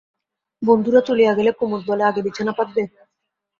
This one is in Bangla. বন্ধুরা চলিয়া গেলে কুমুদ বলে, আগে বিছানা পাতবে?